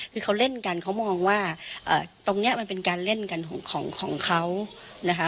คือเขาเล่นกันเขามองว่าตรงนี้มันเป็นการเล่นกันของเขานะคะ